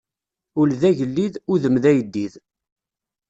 Ul d agellid, udem d ayeddid.